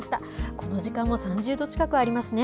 この時間も３０度近くありますね。